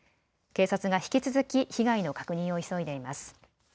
警察が引き続き被害の確認を急いでいます。